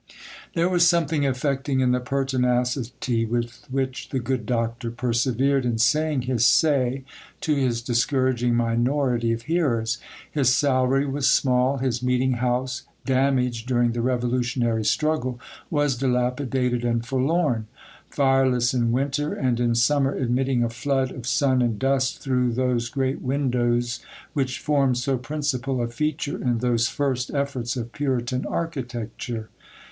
There was something affecting in the pertinacity with which the good Doctor persevered in saying his say to his discouraging minority of hearers. His salary was small; his meeting house, damaged during the Revolutionary struggle, was dilapidated and forlorn,—fireless in winter, and in summer admitting a flood of sun and dust through those great windows which formed so principal a feature in those first efforts of Puritan architecture.